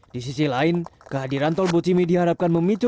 di sisi lain kehadiran tol bocimi diharapkan memicu